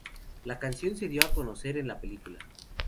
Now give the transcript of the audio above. La canción se dio a conocer en la película.